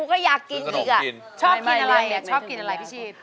ก็อยากกินอีกอ่ะชอบกินอะไรชอบกินอะไรพี่ชีพ